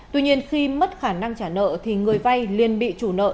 tuy nhiên khi mất khả năng trả nợ thì người vay liên bị chủ nợ